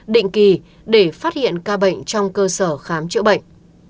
định kỳ để phát hiện ca bệnh trong cơ sở khám chữa bệnh